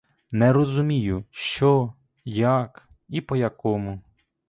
Не розумію, що, як і по-якому?